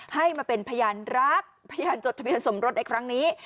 ให้มาเป็นพยานรักพยานจดทะเบียนสมรสในครั้งนี้